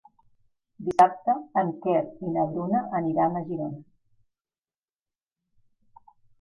Dissabte en Quer i na Bruna aniran a Girona.